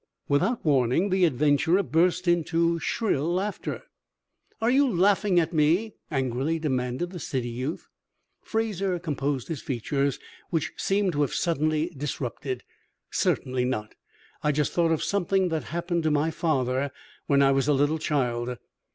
Without warning, the adventurer burst into shrill laughter. "Are you laughing at me?" angrily demanded the city youth. Fraser composed his features, which seemed to have suddenly disrupted. "Certainly not! I just thought of something that happened to my father when I was a little child."